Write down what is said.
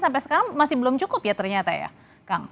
sampai sekarang masih belum cukup ya ternyata ya kang